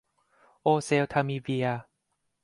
โอเซลทามิเวียร์